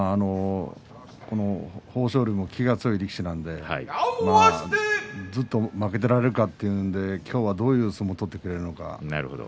豊昇龍も気が強い力士なのでずっと負けていられるかということで今日はどういう相撲を取ってくれるのか翠